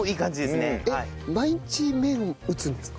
えっ毎日麺打つんですか？